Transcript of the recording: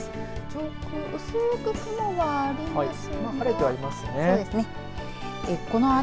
上空薄く雲があります。